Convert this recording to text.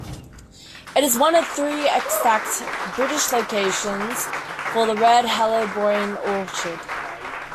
It is one of three extant British locations for the red helleborine orchid.